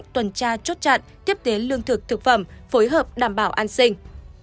tiếp tế lương thực thực phẩm phối hợp đảm bảo an sinh